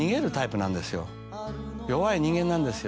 弱い人間なんですよ。